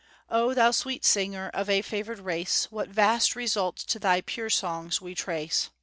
O thou sweet singer of a favored race, What vast results to thy pure songs we trace!